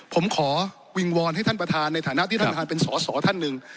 ผมขอวิงวอนให้ท่านประธานในฐานะที่ท่านประธานเป็นสอสอท่านหนึ่ง